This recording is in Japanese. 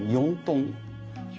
４トン。